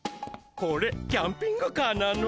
これキャンピングカーなの？